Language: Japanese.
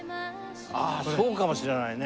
あっそうかもしれないね。